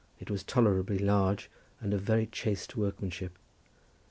It was tolerably large and of very chaste workmanship.